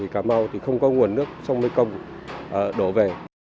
cà mau không có nguồn nước xong mới công đổ về